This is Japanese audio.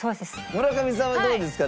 村上さんはどうですか？